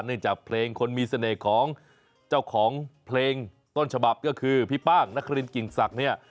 จากเพลงคนมีเสน่ห์ของเจ้าของเพลงต้นฉบับก็คือพี่ป้างนครินกิ่งศักดิ์เนี่ย